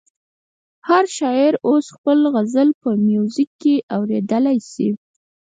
هر شاعر اوس خپل غزل په میوزیک کې اورېدلی شي.